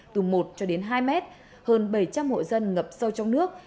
từ một cho đến hai mét hơn bảy trăm linh hộ dân ngập sâu trong nước